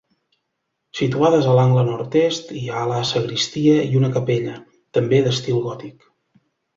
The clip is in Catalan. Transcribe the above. Situades a l'angle nord-est hi ha la sagristia i una capella, també d'estil gòtic.